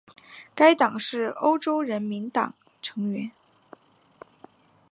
该党是欧洲人民党成员。